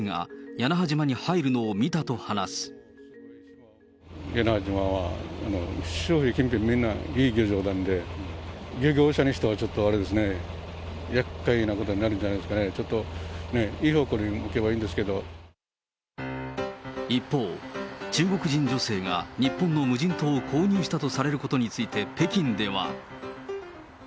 屋那覇島は、周囲近辺みんないい漁場なんで、漁業者にしてはちょっとあれですね、やっかいなことになるんじゃないですかね、ちょっとね、一方、中国人女性が日本の無人島を購入したとされることについて、北京では。